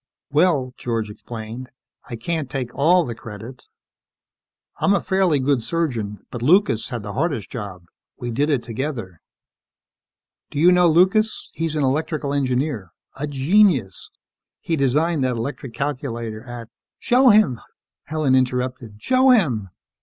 "Well," George explained, "I can't take all the credit. I'm a fairly good surgeon, but Lucas had the hardest job. We did it together. Do you know Lucas? He's an electrical engineer ... a genius. He designed that electronic calculator at " "Show him," Helen interrupted. "_Show him!